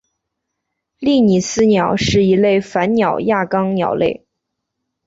利尼斯鸟是一类反鸟亚纲鸟类。